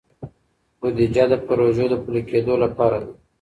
بودیجه د پروژو د پلي کیدو لپاره ده.